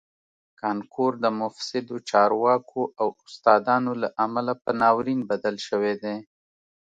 کانکور د مفسدو چارواکو او استادانو له امله په ناورین بدل شوی دی